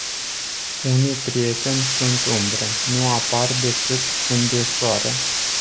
Unii prieteni sunt umbre, nu apar decât când e Soare.